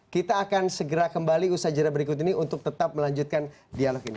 kita akan segera kembali usaha jadwal berikut ini untuk tetap melanjutkan dialog ini